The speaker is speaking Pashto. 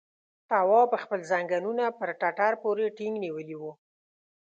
تواب خپل ځنګنونه پر ټټر پورې ټينګ نيولي وو.